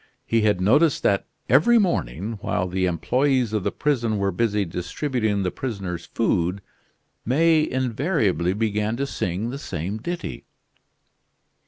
He had noticed that every morning, while the employees of the prison were busy distributing the prisoner's food, May invariably began to sing the same ditty.